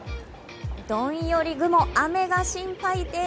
どんより雲、雨が心配です。